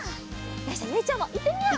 よしじゃあゆいちゃんもいってみよう！